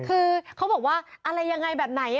คือเขาบอกว่าอะไรยังไงแบบไหน